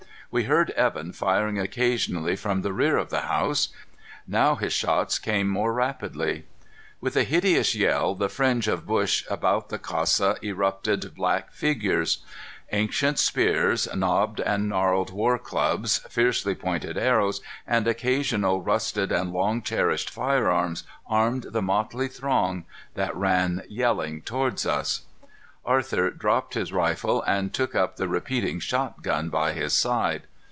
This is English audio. We heard Evan firing occasionally from the rear of the house. Now his shots came more rapidly. With a hideous yell, the fringe of bush about the casa erupted black figures. Ancient spears, knobbed and gnarled war clubs, fiercely pointed arrows, and occasional rusted and long cherished firearms armed the motley throng that ran yelling toward us. Arthur dropped his rifle and took up the repeating shotgun by his side.